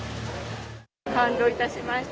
感動いたしました。